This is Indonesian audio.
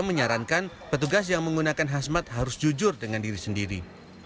menyarankan petugas yang menggunakan khasmat harus jujur dengan diri sendiri